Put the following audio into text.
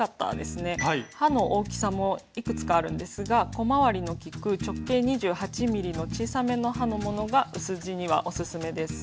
刃の大きさもいくつかあるんですが小回りの利く直径２８ｍｍの小さめの刃のものが薄地にはオススメです。